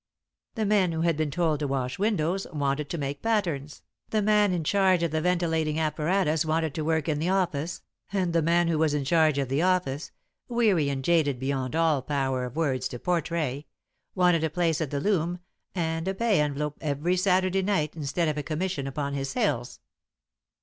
"The men who had been told to wash windows wanted to make patterns, the man in charge of the ventilating apparatus wanted to work in the office, and the man who was in charge of the office, weary and jaded beyond all power of words to portray, wanted a place at the loom and a pay envelope every Saturday night instead of a commission upon his sales.